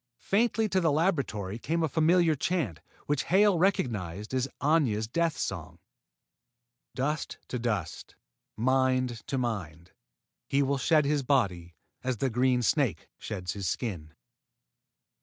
Faintly to the laboratory came a familiar chant, which Hale recognized as Aña's death song. Dust to dust Mind to Mind He will shed his body As the green snake sheds his skin.